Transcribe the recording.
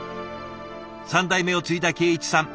３代目を継いだ敬一さん。